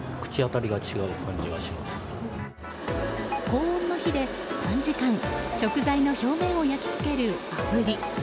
高温の火で短時間食材の表面を焼き付けるあぶり。